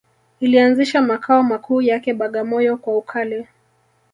Ilianzisha makao makuu yake Bagamoyo kwa ukali